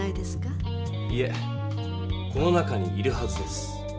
いえこの中にいるはずです。